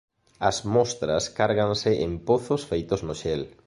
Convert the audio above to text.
As mostras cárganse en "pozos" feitos no xel.